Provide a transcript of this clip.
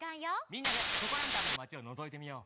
みんなでチョコランタンのまちをのぞいてみよう。